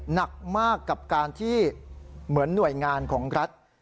หนักมากกับการที่เหมือนหน่วยงานของรัฐ